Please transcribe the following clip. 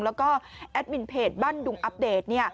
แล้วก็แอดมินเพจบ้านดุงอัปเดต